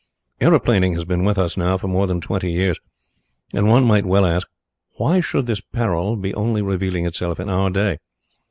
"Aeroplaning has been with us now for more than twenty years, and one might well ask: Why should this peril be only revealing itself in our day?